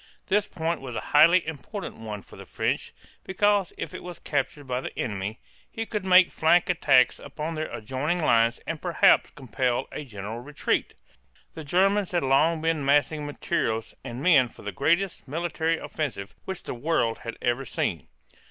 This point was a highly important one for the French, because if it were captured by the enemy, he could make flank attacks upon their adjoining lines and perhaps compel a general retreat. The Germans had long been massing materials and men for the greatest military offensive which the world had ever seen.